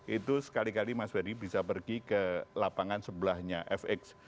itu sekali kali mas ferry bisa pergi ke lapangan sebelahnya fx